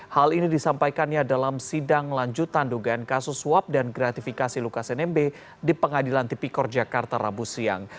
hal ini disampaikannya dalam sidang lanjutan dugaan kasus suap dan gratifikasi lukas nmb di pengadilan tipikor jakarta rabu siang